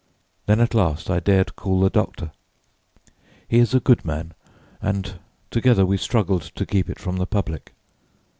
Then at last I dared call the doctor. He is a good man, and together we struggled to keep it from the public.